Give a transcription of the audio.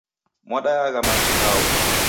Mwadayagha machi hao?